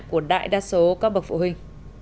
của đại đa số các bậc phụ huynh